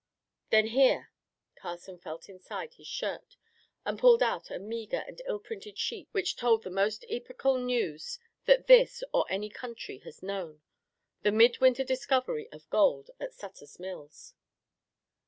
"Then here!" Carson felt inside his shirt and pulled out a meager and ill printed sheet which told the most epochal news that this or any country has known the midwinter discovery of gold at Sutter's Mills.